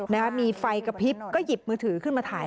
นะคะมีไฟกระพริบก็หยิบมือถือขึ้นมาถ่าย